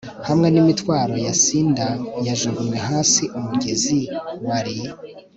Hamwe nimitwaro ya cinder yajugunywe hasi Umugezi wari